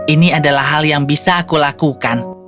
ini adalah hal yang bisa aku lakukan